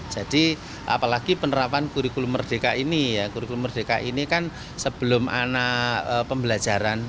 jadi apalagi penerapan kurikulum merdeka ini kurikulum merdeka ini kan sebelum anak pembelajaran